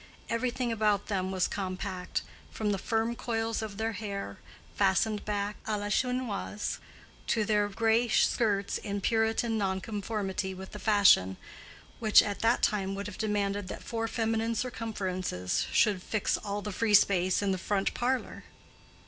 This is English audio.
Everything about them was compact, from the firm coils of their hair, fastened back à la Chinoise, to their gray skirts in Puritan nonconformity with the fashion, which at that time would have demanded that four feminine circumferences should fill all the free space in the front parlor.